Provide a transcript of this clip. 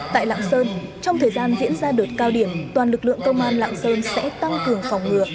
tại lạng sơn trong thời gian diễn ra đợt cao điểm toàn lực lượng công an lạng sơn sẽ tăng cường phòng ngừa